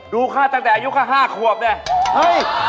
ดูค่ะตั้งแต่อายุค่า๕ควบเนี่ย